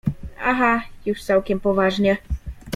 — Aha—już całkiem poważnie.